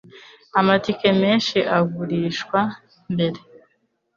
Amatike menshi agurishwa mbere.